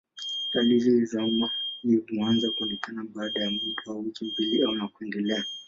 Dalili za homa hii huanza kuonekana baada ya muda wa wiki mbili na kuendelea.